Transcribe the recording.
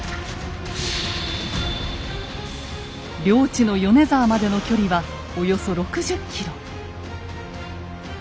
領地の米沢までの距離はおよそ６０ｋｍ。